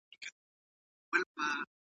عبادات ئې له عملنامې څخه حذف سوه